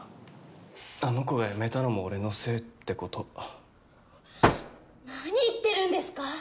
あの子が辞めたのも俺のせいってこと何言ってるんですか？